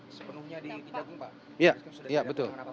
sepenuhnya di diagung pak